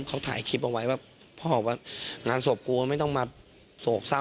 เขาถ่ายคลิปเอาไว้ว่าพ่อบอกว่างานศพกลัวไม่ต้องมาโศกเศร้า